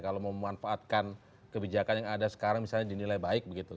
kalau memanfaatkan kebijakan yang ada sekarang misalnya dinilai baik begitu